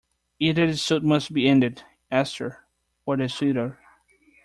Either the suit must be ended, Esther - or the suitor.